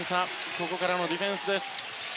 ここからのディフェンスです。